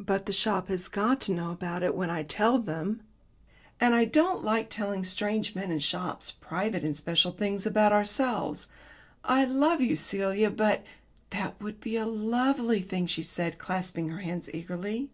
"But the shop has got to know about it when I tell them. And I don't like telling strange men in shops private and special things about ourselves. I love you, Celia, but " "That would be a lovely thing," she said, clasping her hands eagerly.